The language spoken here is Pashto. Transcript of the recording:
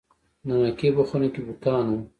د مکې په خونه کې بوتان وو.